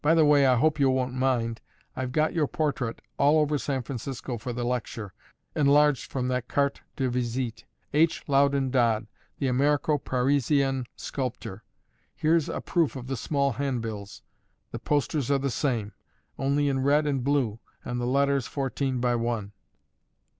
By the way, I hope you won't mind; I've got your portrait all over San Francisco for the lecture, enlarged from that carte de visite: H. Loudon Dodd, the Americo Parisienne Sculptor. Here's a proof of the small handbills; the posters are the same, only in red and blue, and the letters fourteen by one."